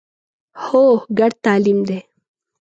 هو، ګډ تعلیم دی